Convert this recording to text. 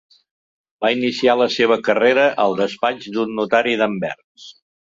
Va iniciar la seva carrera al despatx d'un notari d'Anvers.